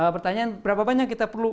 pertanyaan berapa banyak kita perlu